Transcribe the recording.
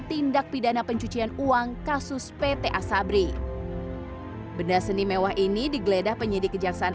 tindak pidana pencucian uang kasus pta sabri benda seni mewah ini digeledah penyedih kejaksaan